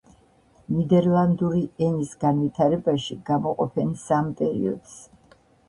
ნიდერლანდური ენის განვითარებაში გამოყოფენ სამ პერიოდს.